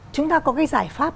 chúng ta có cái giải pháp